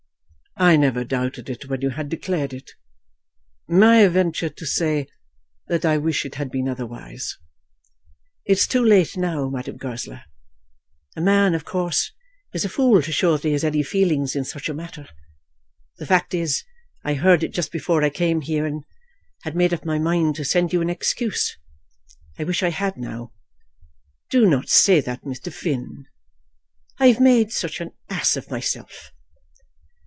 "I never doubted it when you had declared it. May I venture to say that I wish it had been otherwise?" "It is too late now, Madame Goesler. A man of course is a fool to show that he has any feelings in such a matter. The fact is, I heard it just before I came here, and had made up my mind to send you an excuse. I wish I had now." "Do not say that, Mr. Finn." "I have made such an ass of myself."